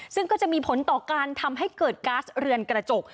ซึ่งก็จะมีผลต่อการทำให้เกิดก๊าซเรือนกระจก